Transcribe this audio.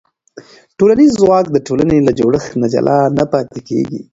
ټولنیز ځواک د ټولنې له جوړښت نه جلا نه پاتې کېږي.